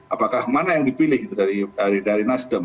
apakah mana yang dipilih dari nasdem